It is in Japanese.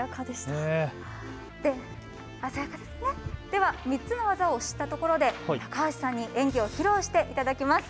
では３つの技を知ったところで高橋さんに演技を披露していただきます。